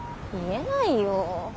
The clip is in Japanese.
言えないよ。